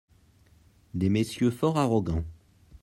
des messieurs fort arrogants.